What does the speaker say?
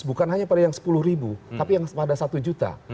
bukan hanya pada yang sepuluh ribu tapi yang pada satu juta